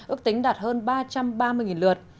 ước tính đạt hơn ba trăm ba mươi lượt